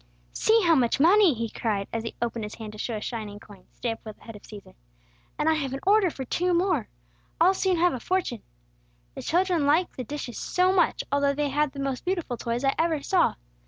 "See how much money!" he cried, as he opened his hand to show a shining coin, stamped with the head of Cæsar. "And I have an order for two more. I'll soon have a fortune! The children liked the dishes so much, although they had the most beautiful toys I ever saw.